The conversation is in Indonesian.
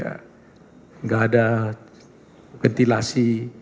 tidak ada ventilasi